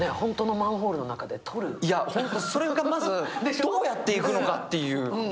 次、感じたことがそれがまず、どうやっていくのかっていう。